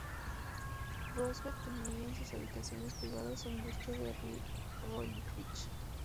Roosevelt tenía en sus habitaciones privadas un busto de Roerich.